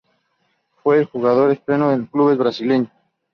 Fue el jugador estreno en clubes brasileños.